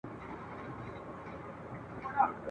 په تېره چاړه یې زه پرېکوم غاړه !.